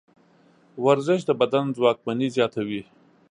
ورزش د بدن ځواکمني زیاتوي.